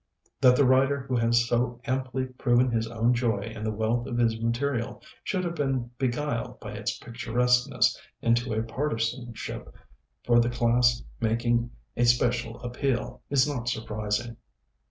That the writer who has so amply proven his own joy in the wealth of his material, should have been beguiled by its picturesqueness into a partisanship for the class making a special appeal, is not surprising.